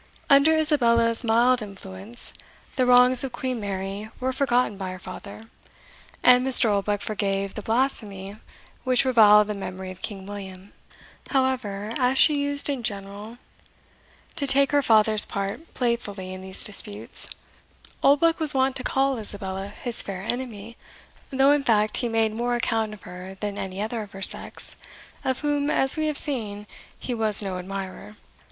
Under Isabella's mild influence, the wrongs of Queen Mary were forgotten by her father, and Mr. Oldbuck forgave the blasphemy which reviled the memory of King William. However, as she used in general to take her father's part playfully in these disputes, Oldbuck was wont to call Isabella his fair enemy, though in fact he made more account of her than any other of her sex, of whom, as we have seen, he, was no admirer.